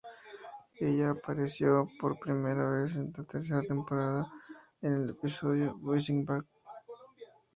Ella apareció por primera vez en la tercera temporada, en el episodio "Bouncing Back".